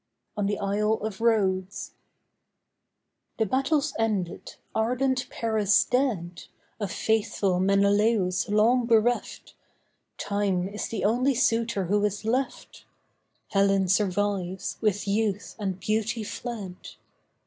ON THE ISLE OF RHODES The battles ended, ardent Paris dead, Of faithful Menelaus long bereft, Time is the only suitor who is left: Helen survives, with youth and beauty fled.